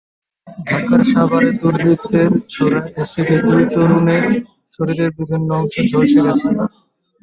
ঢাকার সাভারে দুর্বৃত্তের ছোড়া অ্যাসিডে দুই তরুণের শরীরের বিভিন্ন অংশ ঝলসে গেছে।